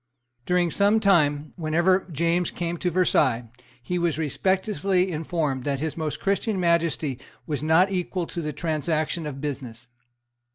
During some time, whenever James came to Versailles, he was respectfully informed that His Most Christian Majesty was not equal to the transaction of business.